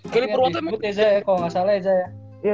kelly purwanto emang ada dihibut ya saya kalo ga salah ya saya